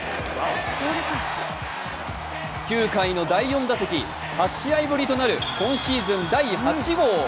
９回の第４打席、８試合ぶりとなる今シーズン第８号。